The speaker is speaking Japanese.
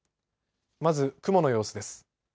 まず雲の様子です。